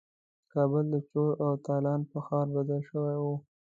کابل د چور او تالان په ښار بدل شوی وو.